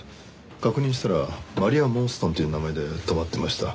確認したらマリア・モースタンという名前で泊まってました。